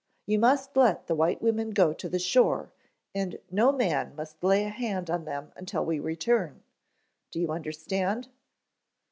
You must let the white women go to the shore and no man must lay a hand on them until we return. Do you understand?"